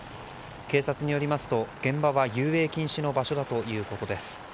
警察によりますと現場は遊泳禁止の場所だということです。